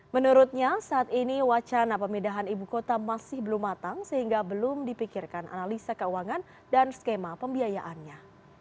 menurutnya saat ini wacana pemindahan ibu kota masih belum matang sehingga belum dipikirkan analisa keuangan dan skema pembiayaannya